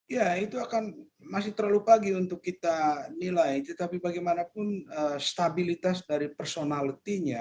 ya itu akan masih terlalu pagi untuk kita nilai tetapi bagaimanapun stabilitas dari personality nya